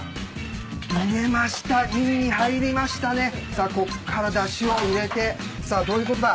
さあこっからだしを入れてさあどういうことだ。